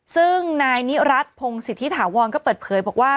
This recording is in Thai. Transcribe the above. ซึ่งนายนิรัติพงศิษฐิถาวรก็เปิดเผยบอกว่า